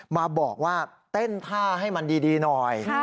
มาบอกว่าเต้นท่าให้มันดีหน่อย